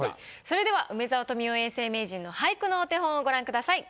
それでは梅沢富美男永世名人の俳句のお手本をご覧ください。